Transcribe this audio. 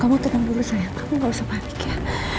kamu tenang dulu sayang kamu gak usah balik ya